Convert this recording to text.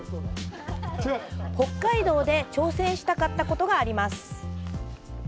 北海道で挑戦したかったことがあります。